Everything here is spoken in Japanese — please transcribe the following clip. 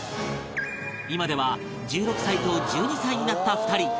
今では１６歳と１２歳になった２人